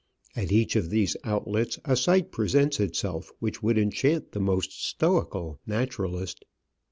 At each of these outlets a sight presents itself which would enchant the most stoical naturalist.